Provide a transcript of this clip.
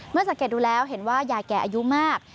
สังเกตดูแล้วเห็นว่ายายแก่อายุมาก